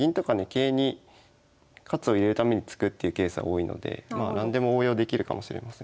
桂に活を入れるために突くっていうケースは多いので何でも応用できるかもしれません。